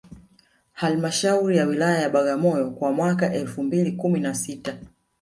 Halmashauri ya Wilaya ya Bagamoyo kwa mwaka elfu mbili kumi na sita